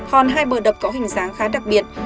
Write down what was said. hòn hai bờ đập có hình dáng khá đặc biệt